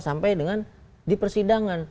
sampai dengan di persidangan